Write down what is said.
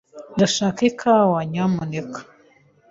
Ndashaka ikawa, nyamuneka.